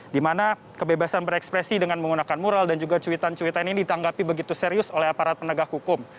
dimana kebebasan berekspresi dengan menggunakan mural dan juga cuitan cuitan ini ditanggapi begitu serius oleh aparat penegak hukum